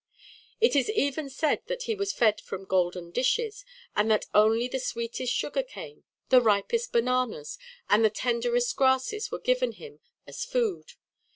It is even said that he was fed from golden dishes, and that only the sweetest sugar cane, the ripest bananas, and the tenderest grasses were given him as food.